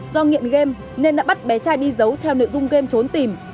do nghiện game nên đã bắt bé trai đi giấu theo nội dung gam trốn tìm